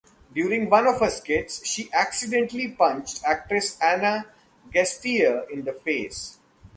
During one of her skits, she accidentally punched actress Ana Gasteyer in the face.